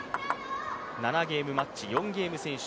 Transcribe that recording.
７ゲームマッチ、４ゲーム先取。